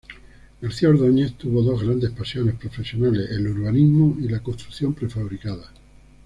García-Ordóñez tuvo dos grandes pasiones profesionales: el urbanismo y la construcción prefabricada.